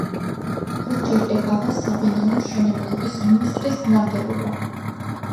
ორჯერ ეკავა საბინაო მშენებლობის მინისტრის თანამდებობა.